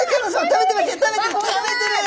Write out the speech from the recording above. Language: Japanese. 食べてる。